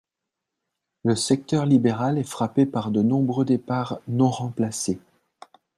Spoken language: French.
Le secteur libéral est frappé par de nombreux départs non remplacés.